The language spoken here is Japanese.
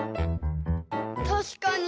たしかに。